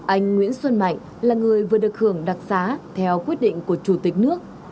anh nguyễn xuân mạnh là người vừa được hưởng đặc xá theo quyết định của chủ tịch nước